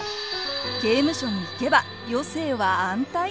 刑務所に行けば余生は安泰！？